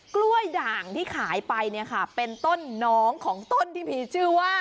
กล้วยด่างที่ขายไปเนี่ยค่ะเป็นต้นน้องของต้นที่มีชื่อว่า